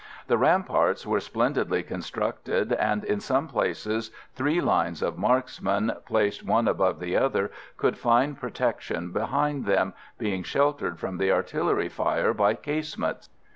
The ramparts were splendidly constructed, and in some places three lines of marksmen, placed one above the other, could find protection behind them, being sheltered from the artillery fire by casemates.